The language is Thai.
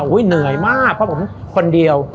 เหนื่อยมากเพราะผมคนเดียว